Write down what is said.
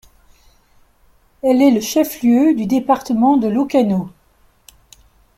Elle est le chef-lieu du département de l'Okano.